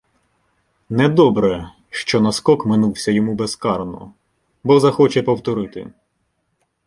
Недобре, що наскок минувся йому безкарно, бо захоче повторити.